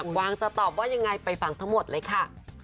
กวางจะตอบว่ายังไงไปฟังทั้งหมดเลยค่ะ